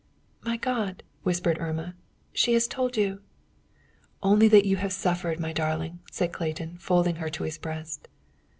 "My God!" whispered Irma. "She has told you" "Only that you have suffered, my darling," said Clayton, folding her to his breast.